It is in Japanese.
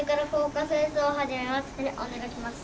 お願いします。